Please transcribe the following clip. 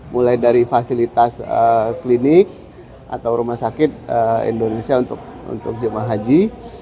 mulai dari fasilitas klinik atau rumah sakit indonesia untuk jemaah haji